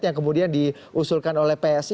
yang kemudian diusulkan oleh psi